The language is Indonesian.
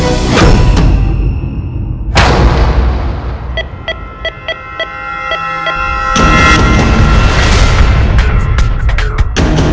tentu cuma sebagai suatu kontrol